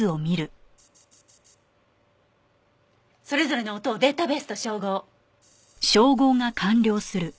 それぞれの音をデータベースと照合。